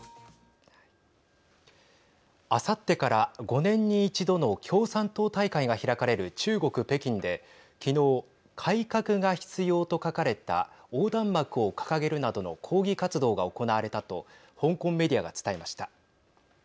あさってから５年に１度の共産党大会が開かれる中国、北京で昨日、改革が必要と書かれた横断幕を掲げるなどの抗議活動が行われたと香港メディアが伝えました。